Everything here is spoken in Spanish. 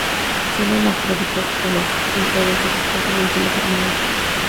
Son hermafroditas con las inflorescencias dispuestas en cimas terminales.